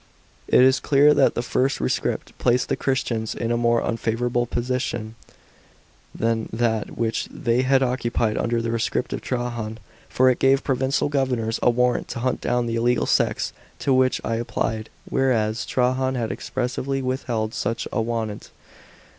* It is clear that the first rescript placed the Christians in a more unfavourable position than that which they had occupied under the rescript of Trajan. For it gave provincial governors a warrant to hunt down the illegal sects to which i applied ; whereas, Trajan had expressly withheld such a wan ant.